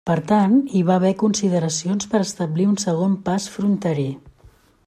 Per tant, hi va haver consideracions per establir un segon pas fronterer.